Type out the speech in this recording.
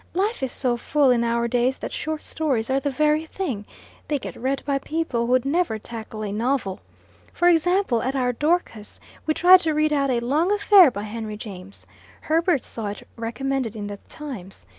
Life is so full in our days that short stories are the very thing; they get read by people who'd never tackle a novel. For example, at our Dorcas we tried to read out a long affair by Henry James Herbert saw it recommended in 'The Times.